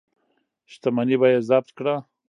شتمني به یې ضبط کړه.